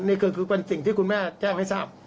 นี่คือคุณแม่แจ้งให้ทราบ